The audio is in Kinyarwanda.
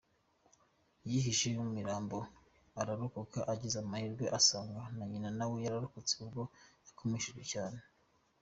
Yihishe mu mirambo ararokoka agize amahirwe asanga na nyina nawe yarokotse nubwo yakomerekejwe cyane.